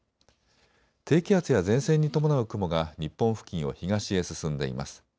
低気圧や前線に伴う雲が日本付近を東へ進んでいます。